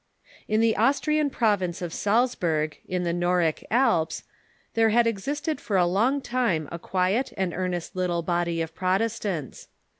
In the Austrian province of Salzburg, in the Noric Alps, there had existed for a long time a quiet and earnest little body of Protestants.